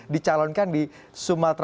dicalonkan di sumatera utara